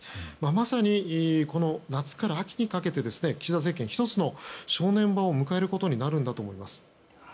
まさに、この夏から秋にかけて岸田政権は１つの正念場を迎えることになると思います。